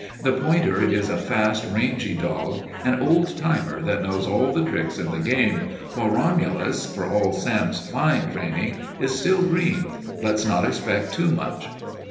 The pointer is a fast, rangy dog, an old timer that knows all the tricks of the game, while Romulus, for all Sam's fine training, is still green. Let's not expect too much."